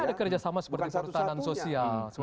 bisa ada kerjasama seperti perutan dan sosial